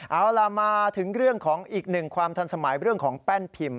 เอาล่ะมาถึงเรื่องของอีกหนึ่งความทันสมัยเรื่องของแป้นพิมพ์